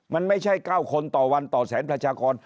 มันไม่ใช่๙คนต่อวันต่อแสนประชากร